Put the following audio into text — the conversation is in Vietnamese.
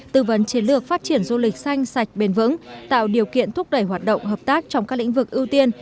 tư vấn chiến lược phát triển du lịch xanh sạch bền vững tạo điều kiện thúc đẩy hoạt động hợp tác trong các lĩnh vực ưu tiên